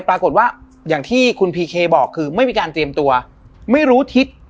ปรากฏว่าอย่างที่คุณพีเคบอกคือไม่มีการเตรียมตัวไม่รู้ทิศ